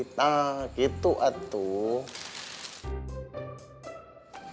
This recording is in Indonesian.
kita gitu atuh